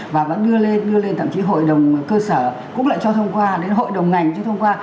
và vẫn đưa lên đưa lên thậm chí hội đồng cơ sở cũng lại cho thông qua đến hội đồng ngành chứ thông qua